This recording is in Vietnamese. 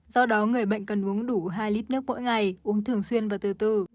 do đó người bệnh cần uống đủ hai lít nước mỗi ngày uống thường xuyên và từ từ